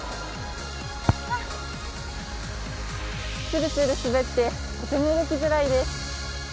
つるつる滑ってとても動きづらいです。